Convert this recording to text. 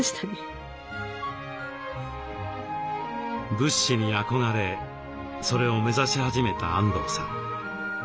仏師に憧れそれを目指し始めたあんどうさん。